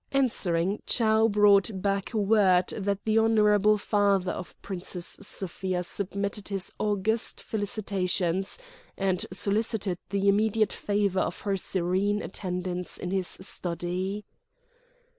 Answering, Chou brought back word that the honourable father of Princess Sofia submitted his august felicitations and solicited the immediate favour of her serene attendance in his study.